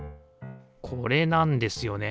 これなんですよね。